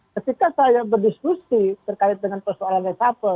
ketika saya berdiskusi terkait dengan persoalan resapel